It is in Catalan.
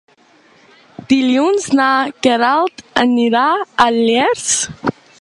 Dilluns na Queralt anirà a Llers.